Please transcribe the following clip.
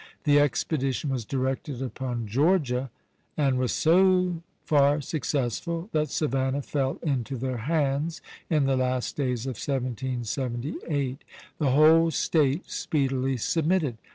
The expedition was directed upon Georgia, and was so far successful that Savannah fell into their hands in the last days of 1778. The whole State speedily submitted.